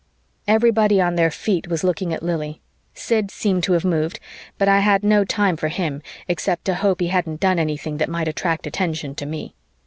Everybody on their feet was looking at Lili. Sid seemed to have moved, but I had no time for him except to hope he hadn't done anything that might attract attention to me.